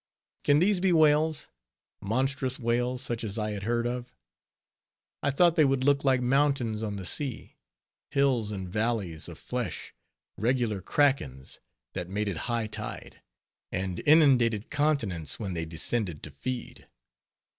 Can these be whales? Monstrous whales, such as I had heard of? I thought they would look like mountains on the sea; hills and valleys of flesh! regular krakens, that made it high tide, and inundated continents, when they descended to feed!